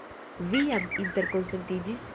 Vi jam interkonsentiĝis?